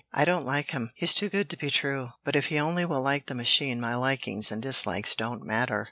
"I don't like him he's too good to be true but if he only will like the machine my likings and dislikes don't matter."